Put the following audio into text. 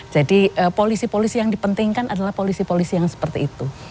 jadi polisi polisi yang dipentingkan adalah polisi polisi yang seperti itu